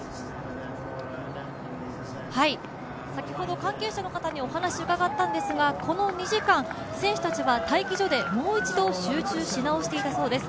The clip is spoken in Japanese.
先ほど関係者の方にお話を伺ったんですが、この２時間、選手たちは待機所でもう一度集中し直していたそうです。